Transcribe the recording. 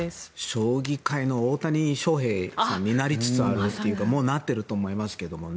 将棋界の大谷翔平になりつつあるというかもうなっていると思いますけどね。